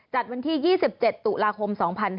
วันที่๒๗ตุลาคม๒๕๕๙